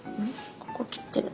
ここ切ってるな。